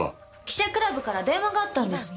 記者クラブから電話があったんです。